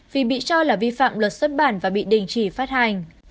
vì bị cho là vi phạm luật xuất bản và bị đình chỉ phát hành